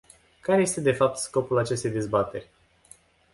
Care este, de fapt, scopul acestei dezbateri?